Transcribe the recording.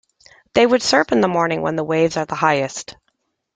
They would surf in the mornings, when the waves were the highest.